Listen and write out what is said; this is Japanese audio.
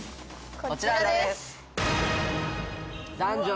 こちらです！